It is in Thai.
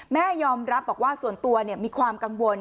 แม่ยอมรับบอกว่าส่วนตัวมีความกังวล